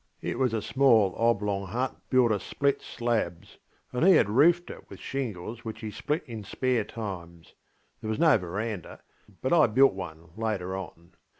It was a small oblong hut built of split slabs, and he had roofed it with shingles which he split in spare times. There was no verandah, but I built one later on.